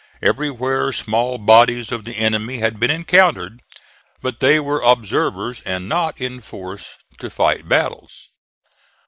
Everywhere small bodies of the enemy had been encountered, but they were observers and not in force to fight battles.